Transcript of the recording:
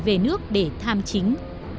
về nước để tham chính